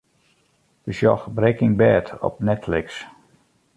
Besjoch 'Breaking Bad' op Netflix.